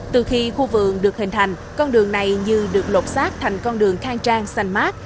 từ khi khu vườn được hình thành con đường này như được lột xác thành con đường khang trang xanh mát